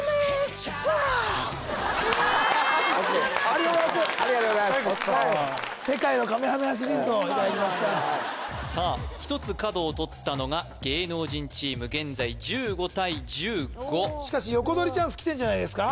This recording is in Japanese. ありがとうございますありがとうございますさあ１つ角を取ったのが芸能人チーム現在１５対１５しかしヨコドリチャンスきてんじゃないですか？